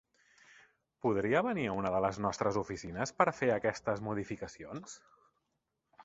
Podria venir a una de les nostres oficines per fer aquestes modificacions?